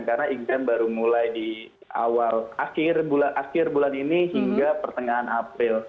karena exam baru mulai di awal akhir bulan ini hingga pertengahan april